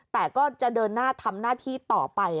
แต่ก็จะเดินหน้าทำหน้าที่ต่อไป